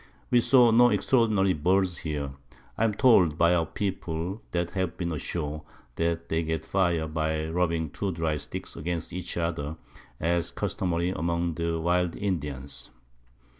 We saw no extraordinary Birds here. I am told by our People that have been ashore, that they get Fire by rubbing two dry Sticks against each other, as customary among the wild Indians.